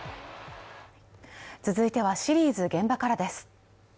続いてはシリーズ「現場から」です。